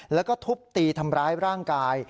แล้วก็ทุบตีทำร้ายร่างกาย